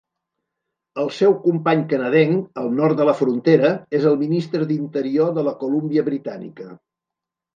El seu company canadenc, al nord de la frontera, és el ministre d'interior de la Colúmbia Britànica.